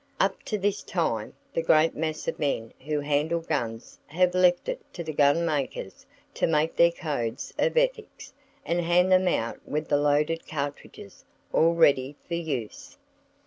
Up to this time, the great mass of men who handle guns have left it to the gunmakers to make their codes of ethics, and hand them out with the loaded cartridges, all ready for use.